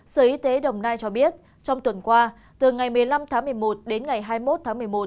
sở y tế đồng nai cho biết trong tuần qua từ ngày một mươi năm tháng một mươi một đến ngày hai mươi một tháng một mươi một